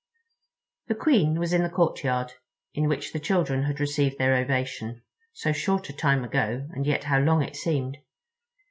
The Queen was in the courtyard, in which the children had received their ovation—so short a time ago, and yet how long it seemed.